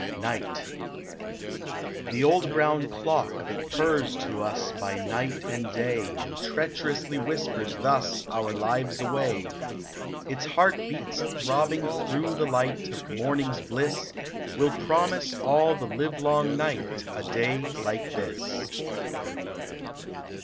35 Might T HE old brown clock that purrs to us By night and day And treacherously whispers thus Our lives away, Its heart beats throbbing through the light Of morning's bliss Will promise all the live long night A day like this